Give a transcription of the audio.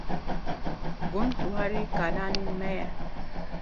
Gund warê kalanên me ye.